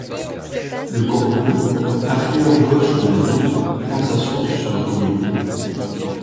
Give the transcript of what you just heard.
Le Corbleu, affluent gauche de la Douze, prend sa source sur la commune.